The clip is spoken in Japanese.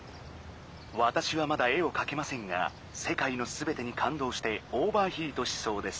「わたしはまだ絵をかけませんがせかいのすべてにかんどうしてオーバーヒートしそうです」。